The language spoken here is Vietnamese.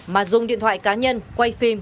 mà dùng điện thoại cá nhân quay phim